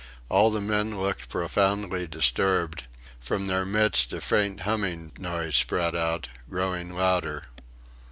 All the men looked profoundly disturbed; from their midst a faint humming noise spread out growing louder....